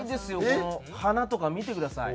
この鼻とか見てください。